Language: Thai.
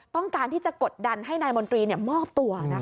ต้องการที่จะกดดันให้นายมนตรีมอบตัว